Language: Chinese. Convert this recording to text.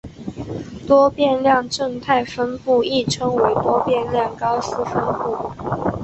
多变量正态分布亦称为多变量高斯分布。